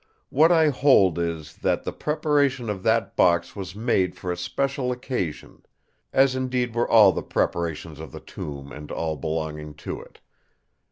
What I hold is, that the preparation of that box was made for a special occasion; as indeed were all the preparations of the tomb and all belonging to it.